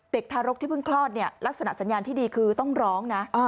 ทารกที่เพิ่งคลอดเนี่ยลักษณะสัญญาณที่ดีคือต้องร้องนะ